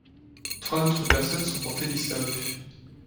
Trois autres personnes sont portées disparues.